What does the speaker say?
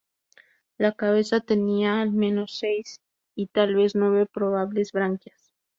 La cabeza tenía al menos seis y tal vez nueve probables branquias.